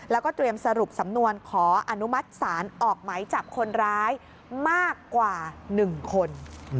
แล้วก็เตรียมสรุปสำนวนขออนุมัติศาลออกไหมจับคนร้ายมากกว่า๑คน